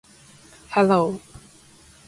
Hello